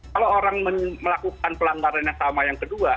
kalau orang melakukan pelanggaran yang sama yang kedua